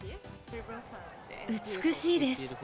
美しいです。